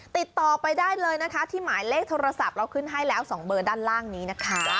ติดต่อไปได้เลยนะคะที่หมายเลขโทรศัพท์เราขึ้นให้แล้ว๒เบอร์ด้านล่างนี้นะคะ